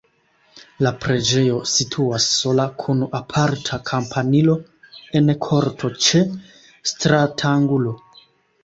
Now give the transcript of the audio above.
La preĝejo situas sola kun aparta kampanilo en korto ĉe stratangulo.